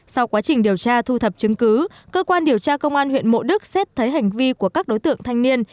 sau quá trình điều tra thu thập chứng cứ cơ quan điều tra công an huyện mộ đức xét thấy hành vi của các đối tượng thanh niên